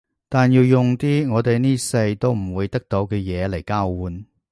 但要用啲我哋呢世都唔會得到嘅嘢嚟交換